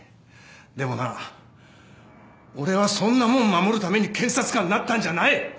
でもな俺はそんなもん守るために検察官になったんじゃない。